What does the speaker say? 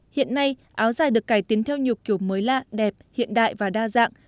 hiện nay áo dài được cải tiến theo nhiều kiểu mới lạ đẹp hiện đại và đa dạng